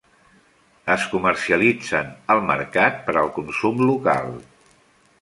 Es comercialitzen al mercat per al consum local.